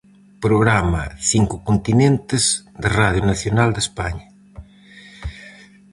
Programa "Cinco Continentes" de Radio Nacional de España.